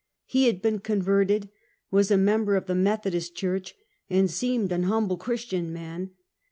He had been converted, was a member of the Methodist church, and seemed an humble Christian man.